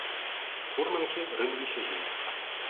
Фурманкі рынуліся з месца.